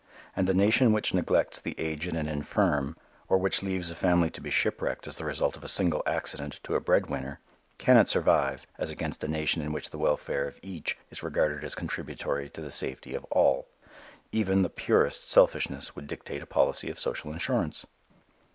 And the nation which neglects the aged and infirm, or which leaves a family to be shipwrecked as the result of a single accident to a breadwinner, cannot survive as against a nation in which the welfare of each is regarded as contributory to the safety of all. Even the purest selfishness would dictate a policy of social insurance.